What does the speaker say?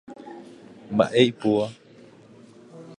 Mba'e ipúva.